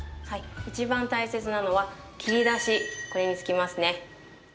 いちばん大切なのは切り出し、これに尽きますね。